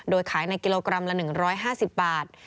โดยขายในกิโลกรัมละ๑๕๐บาท